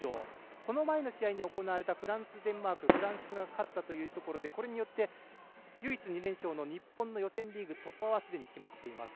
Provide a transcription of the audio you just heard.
この前の試合に行われたフランス、デンマークはフランスが勝ったというところでこれによって、唯一２連勝の日本の予選リーグ突破はすでに決まっています。